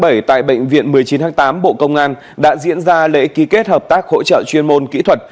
tại bệnh viện một mươi chín tháng tám bộ công an đã diễn ra lễ ký kết hợp tác hỗ trợ chuyên môn kỹ thuật